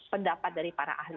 pendapat dari para ahli